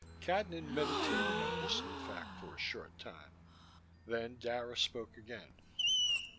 Cadnan meditated on this new fact for a short time. Then Dara spoke again.